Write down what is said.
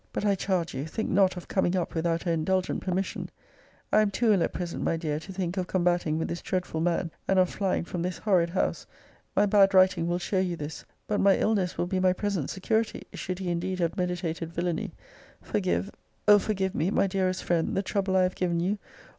But I charge you, think not of coming up without her indulgent permission. I am too ill at present, my dear, to think of combating with this dreadful man; and of flying from this horrid house! My bad writing will show you this. But my illness will be my present security, should he indeed have meditated villany. Forgive, O forgive me, my dearest friend, the trouble I have given you!